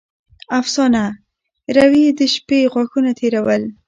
افسانه: روې د شپې غاښونه تېرول.